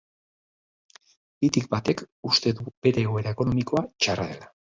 Bitik batek uste du bere egoera ekonomikoa txarra dela.